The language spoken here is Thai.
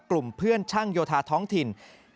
กลุ่มเพื่อนช่างโยธาท้องถิ่น